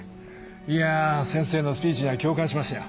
いや先生のスピーチには共感しましたよ。